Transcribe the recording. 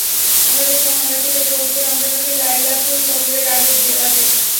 আমরা দেখলাম, হামলাটি হলো পবিত্র রমজান মাসে লাইলাতুল কদরের আগের রাতে।